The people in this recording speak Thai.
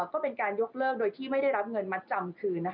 ก็เป็นการยกเลิกโดยที่ไม่ได้รับเงินมัดจำคืน